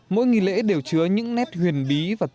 mỗi nghi lễ đều chứa những nét huyền bí và tốt đẹp